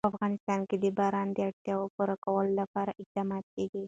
په افغانستان کې د باران د اړتیاوو پوره کولو لپاره اقدامات کېږي.